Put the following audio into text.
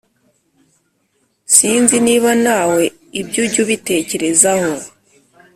Sinz niba nawe iby ujy ubitekereza ho